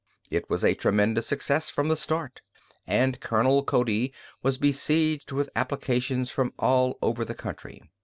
It was a tremendous success from the start, and Colonel Cody was besieged with applications from all over the country.